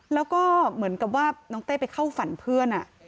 แล้วก็เหมือนกับว่าน้องเต้ไปเข้าฝันเพื่อน